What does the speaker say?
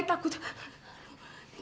ini kita kita dihubungi